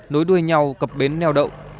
nối đuôi nhau cập bến nèo đậu